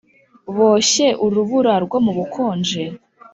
Boshye urubura rwo mu bukonje